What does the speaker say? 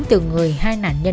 từ người hai nạn nhân